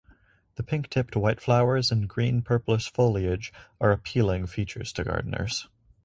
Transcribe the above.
The pink tipped white flowers and green purplish foliage are appealing features to gardeners.